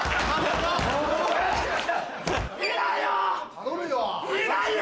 頼むよ！